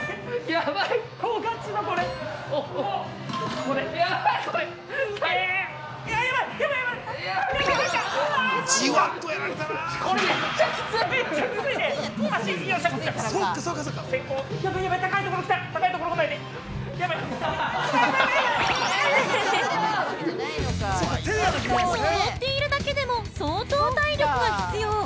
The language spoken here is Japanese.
やばい◆登っているだけでも相当体力が必要。